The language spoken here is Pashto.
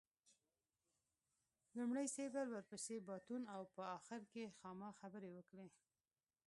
لومړی سېبل ورپسې باتون او په اخر کې خاما خبرې وکړې.